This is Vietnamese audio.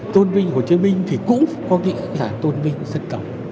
tôn vinh hồ chí minh thì cũng có nghĩa là tôn vinh dân tộc